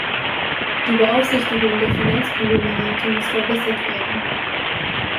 Die Beaufsichtigung der Finanzkonglomerate muss verbessert werden.